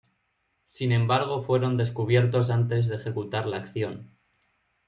Sin embargo fueron descubiertos antes de ejecutar la acción.